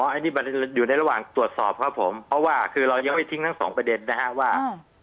อันนี้อยู่ในระหว่างตรวจสอบครับผมเพราะว่าคือเรายังไม่ทิ้งทั้งสองประเด็นนะฮะว่า